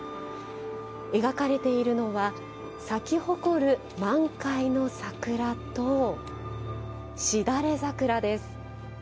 描かれているのは咲き誇る満開の桜としだれ桜です。